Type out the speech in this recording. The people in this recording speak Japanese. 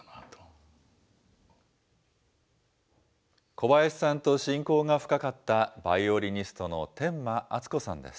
小林さんと親交が深かった、バイオリニストの天満敦子さんです。